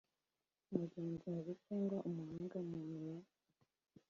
umugenzuzi cyangwa umuhanga mu mibare